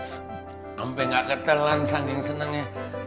sampai gak ketelan saking senangnya